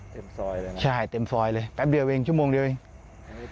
ซอยเลยใช่เต็มซอยเลยแป๊บเดียวเองชั่วโมงเดียวเอง